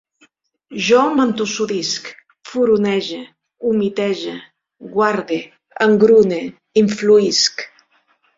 Jo m'entossudisc, furonege, humitege, guarde, engrune, influïsc